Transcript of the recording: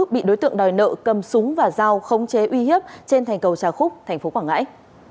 bị đối tượng đòi nợ cầm súng và dao không chế uy hiếp trên thành cầu trà khúc tp quảng ngãi